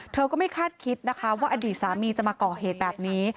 เธอก็ไม่คาดคิดนะคะว่าอดีตสามีจะมาก่อเหตุแบบนี้